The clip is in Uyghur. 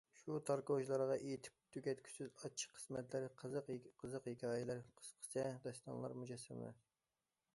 شۇ تار كوچىلارغا ئېيتىپ تۈگەتكۈسىز ئاچچىق قىسمەتلەر، قىزىق- قىزىق ھېكايىلەر، قىسسە، داستانلار مۇجەسسەم.